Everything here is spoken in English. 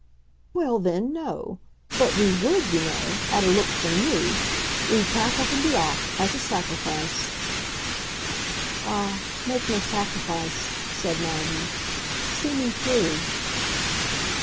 "Well then no. But we WOULD, you know, at a look from you. We'd pack up and be off as a sacrifice." "Ah, make no sacrifice," said Maggie. "See me through."